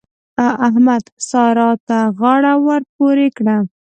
احمد؛ سارا ته غاړه ور پورې کړه.